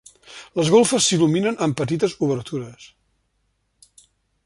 Les golfes s'il·luminen amb petites obertures.